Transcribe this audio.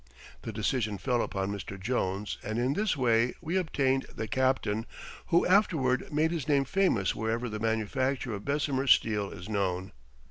] The decision fell upon Mr. Jones and in this way we obtained "The Captain," who afterward made his name famous wherever the manufacture of Bessemer steel is known.